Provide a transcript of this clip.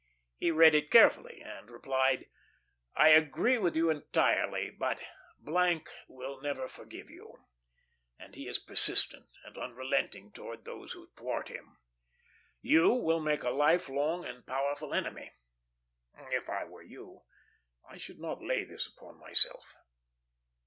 He read it carefully, and replied, 'I agree with you entirely; but will never forgive you, and he is persistent and unrelenting towards those who thwart him. You will make a life long and powerful enemy. If I were you, I should not lay this upon myself.'